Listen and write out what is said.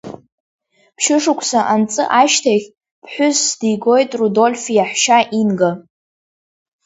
Ԥшьышықәса анҵы ашьҭахь, ԥҳәысс дигоит Рудольф иаҳәшьа Инга.